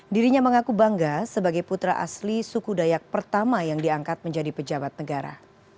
dirinya mengaku bangga sebagai putra asli suku dayak pertama yang diangkat menjadi pejabat negara